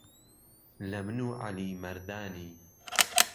له من و عهلی مهردانی